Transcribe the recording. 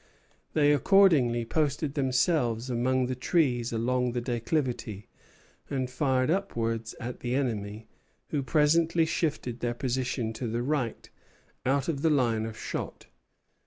They accordingly posted themselves among the trees along the declivity, and fired upwards at the enemy, who presently shifted their position to the right, out of the line of shot.